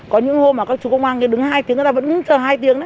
có những hôm mà các chú công an đứng hai tiếng người ta vẫn chờ hai tiếng đấy